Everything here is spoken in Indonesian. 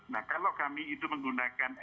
nah kalau kami itu menggunakan